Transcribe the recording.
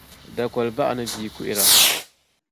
Dakoli baɣa ni bia kuhira